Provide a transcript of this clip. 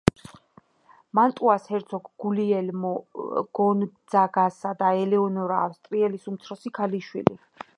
მანტუას ჰერცოგ გულიელმო გონძაგასა და ელეონორა ავსტრიელის უმცროსი ქალიშვილი.